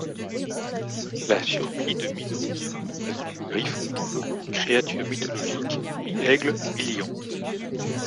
La surplis de Minos représente le Griffon, créature mythologique mi-Aigle, mi-Lion.